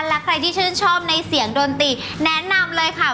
และใครที่ชื่นชอบในเสียงดนตรีแนะนำเลยค่ะ